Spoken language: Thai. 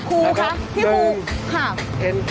คุณผู้ชมคะเห็นแบบนี้